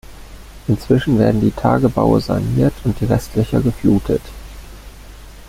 Inzwischen werden die Tagebaue saniert und die Restlöcher geflutet.